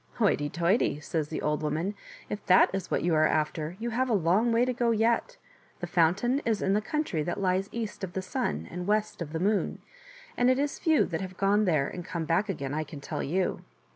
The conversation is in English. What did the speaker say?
" Hoity, toity," says the old woman, if that is what you are after, you have a long way to go yet. The fountain is in the country that lies east of the Sun and west of the Moon, and it is few that have gone there and come back again, I can tell you.